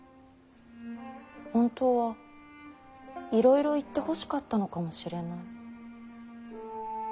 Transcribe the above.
本当はいろいろ言ってほしかったのかもしれない。